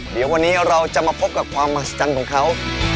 เดี๋ยววันนี้เราจะมาพบกับความมหัศจรรย์ของเขา